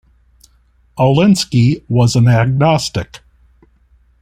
Alinsky was an agnostic.